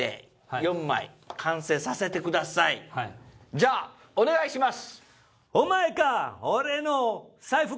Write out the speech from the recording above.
じゃあお願いします。